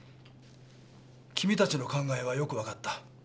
君たちの考えはよく分かった。